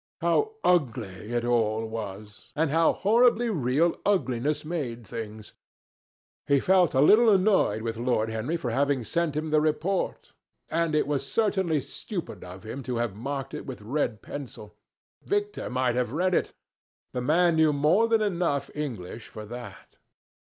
How ugly it all was! And how horribly real ugliness made things! He felt a little annoyed with Lord Henry for having sent him the report. And it was certainly stupid of him to have marked it with red pencil. Victor might have read it. The man knew more than enough English for that.